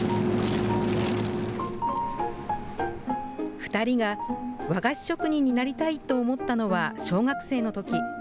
２人が和菓子職人になりたいと思ったのは、小学生のとき。